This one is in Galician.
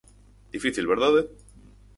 Difícil, verdade?